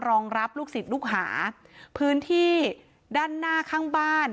รองรับลูกศิษย์ลูกหาพื้นที่ด้านหน้าข้างบ้าน